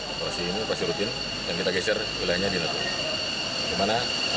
operasi ini masih rutin dan kita geser wilayahnya di natuna